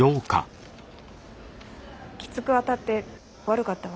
きつく当たって悪かったわ。